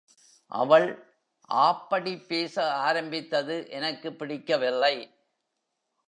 அவள் ஆப்படி பேச ஆரம்பித்தது எனக்கு பிடிக்கவில்லை.